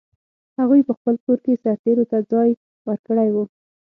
هغوی په خپل کور کې سرتېرو ته ځای ورکړی و.